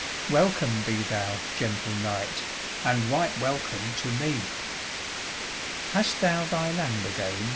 "Welcome be thou, gentle knight, And right welcome to me." "Hast thou thy land again?"